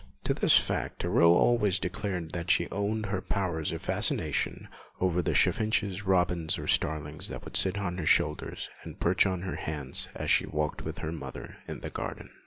To this fact Aurore always declared that she owed her powers of fascination over the chaffinches, robins, or starlings that would sit on her shoulders or perch on her hands as she walked with her mother in the garden.